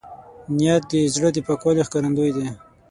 نیت د زړه د پاکوالي ښکارندوی دی.